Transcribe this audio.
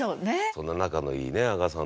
そんな仲のいいね阿川さんと。